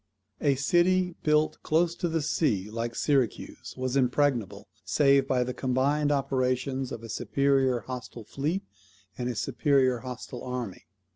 A city built, close to the sea, like Syracuse, was impregnable, save by the combined operations of a superior hostile fleet and a superior hostile army.